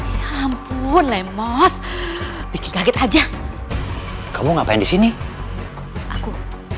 ya ampun lemos bikin kaget aja kamu ngapain di sini aku